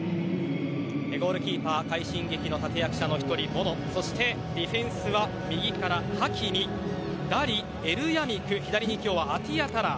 ゴールキーパー快進撃の立役者の１人、ボノそして、ディフェンスは右からハキミ、ダリエルヤミク、左にアティヤタラー。